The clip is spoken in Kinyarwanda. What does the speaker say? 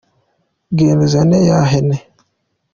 Genda uzane ya hene.